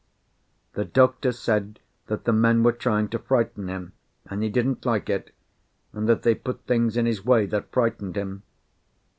The doctor said that the men were trying to frighten him, and he didn't like it, and that they put things in his way that frightened him.